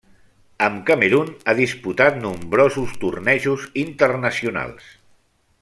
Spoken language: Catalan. Amb Camerun ha disputat nombrosos tornejos internacionals.